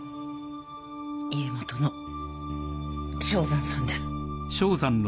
家元の正山さんです。